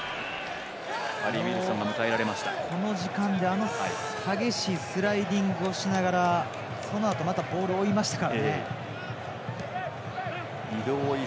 ハリー・ウィルソンがあの時間帯で激しいスライディングをしながらそのあと、またボールを追いましたからね。